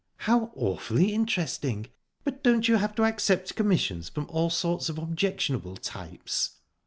"How awfully interesting! But don't you have to accept commissions from all sorts of objectionable types?"